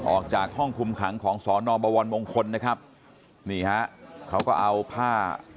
ออกจากห้องคุมขังของสอนอบวรมงคลนะครับนี่ฮะเขาก็เอาผ้า